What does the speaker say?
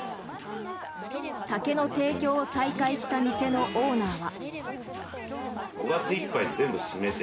酒の提供を再開した店のオーナーは。